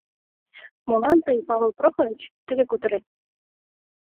— Молан тый, Павыл Прохорыч, тыге кутырет?